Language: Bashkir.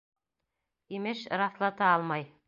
Имеш, раҫлата алмай!